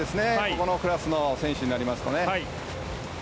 このクラスの選手になりますと。